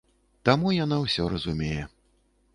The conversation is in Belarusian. Таму яна ўсё разумее.